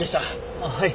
あっはい。